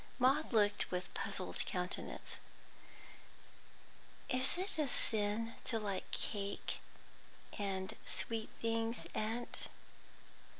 Maud looked with puzzled countenance. "Is it a sin to like cake and sweet things, aunt?"